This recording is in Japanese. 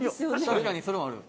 確かにそれはある。